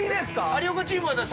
⁉有岡チームは。